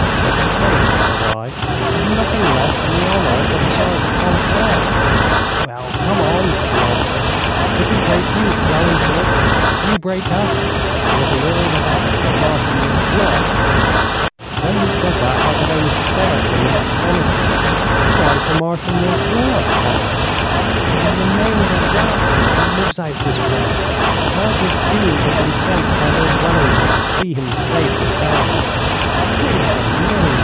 'The stake,' said I, 'is nothing less than the honour of the Hussars of Conflans.' 'Well, come on!' he answered. 'If we break you, well and good if you break us, it will be all the better for Marshal Millefleurs.' When he said that I could only stare at him in astonishment. 'Why for Marshal Millefleurs?' I asked. 'It is the name of a rascal who lives out this way. My dragoons have been sent by Lord Wellington to see him safely hanged.' 'Name of a name!'